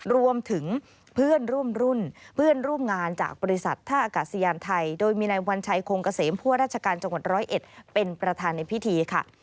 รวมถึงเพื่อนร่วมรุ่นเพื่อนร่วมงานจากบริษัทท่าอากาศยานไทยโดยมีนายวัญชัยคงเกษมผู้ว่าราชการจังหวัดร้อยเอ็ดเป็นประธานในพิธีค่ะ